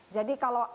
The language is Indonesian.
jadi kalau ada